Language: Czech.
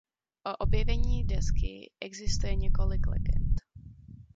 O objevení desky existuje několik legend.